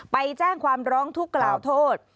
ไปแจ้งความร้องทุกข์กล่าวโทษ